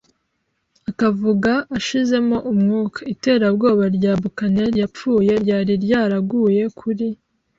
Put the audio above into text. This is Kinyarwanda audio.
akavuga ashizemo umwuka. Iterabwoba rya buccaneer yapfuye ryari ryaraguye kuri